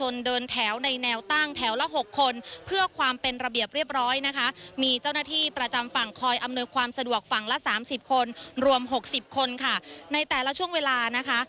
ในแต่ละช่วงเวลานะคะ